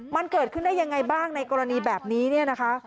มันเกิดขึ้นได้ยังไงบ้างในกรณีแบบนี้เนี่ยนะคะ